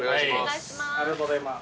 ありがとうございます。